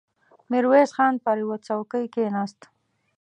ميرويس خان پر يوه څوکۍ کېناست.